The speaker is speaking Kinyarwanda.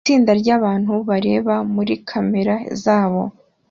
itsinda ryabantu bareba muri kamera zabo